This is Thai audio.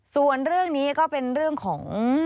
ส่วนเรื่องนี้ก็เป็นเรื่องของ